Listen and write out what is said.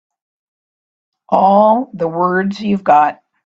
All the words you've got.